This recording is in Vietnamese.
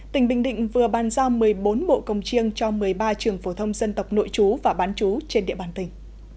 tỉnh bình định vừa bàn giao một mươi bốn bộ cồng chiêng cho một mươi ba trường phổ thông dân tộc nội chú và bán chú trên địa bàn tỉnh